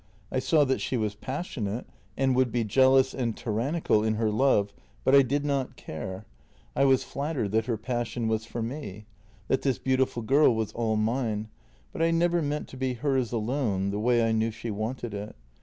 I saw that she was pas sionate, and would be jealous and tyrannical in her love, but I did not care. I was flattered that her passion was for me, that this beautiful girl was all mine, but I never meant to be hers alone, the way I knew she wanted it.